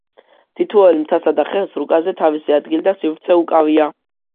თითოეულ მთასა და ხეს რუკაზე თავისი ადგილი და სივრცე უკავია.